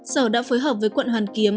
sở đã phối hợp với quận hoàn kiếm